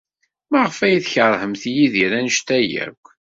Maɣef ay tkeṛhemt Yidir anect-a akk?